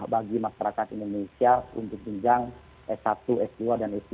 bagi masyarakat indonesia untuk jenjang s satu s dua dan s tiga